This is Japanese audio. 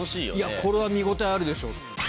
これは見応えあるでしょ。